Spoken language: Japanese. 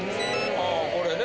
ああこれね。